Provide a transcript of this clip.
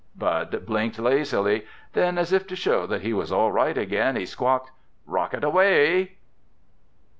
Bud blinked lazily. Then as if to show that he was all right again, he squawked, "Rocket away!"